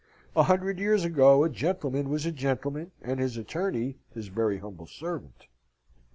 A hundred years ago a gentleman was a gentleman, and his attorney his very humble servant.